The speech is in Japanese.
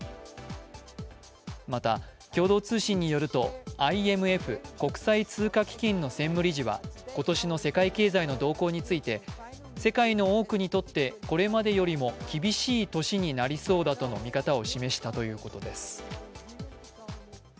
また、共同通信によるとＩＭＦ＝国際通貨基金の専務理事は、今年の世界経済の動向について世界の多くにとってこれまでよりも厳しい年になりそうだとの見方を示したということです。